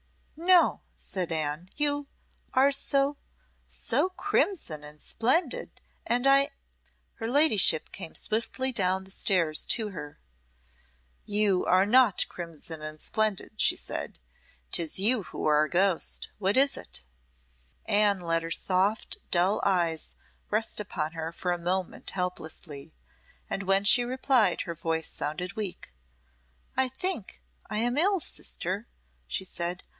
"No," said Anne; "you are so so crimson and splendid and I " Her ladyship came swiftly down the stairs to her. "You are not crimson and splendid," she said. "'Tis you who are a ghost. What is it?" Anne let her soft, dull eyes rest upon her for a moment helplessly, and when she replied her voice sounded weak. "I think I am ill, sister," she said.